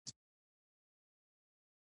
فرهنګ ځینو برخو زیانونه لیدلي دي